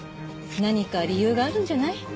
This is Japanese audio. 何か理由があるんじゃない？